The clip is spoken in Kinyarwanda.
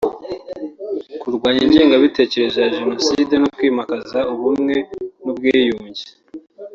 kurwanya ingengabitekerezo ya Jenoside no kwimakaza Ubumwe n’Ubwiyunge